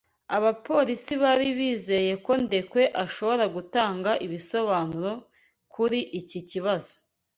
Abapolisi bari bizeye ko Ndekwe ashobora gutanga ibisobanuro kuri iki kibazo.